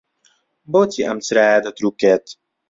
بۆچی ئەم چرایە دەترووکێت؟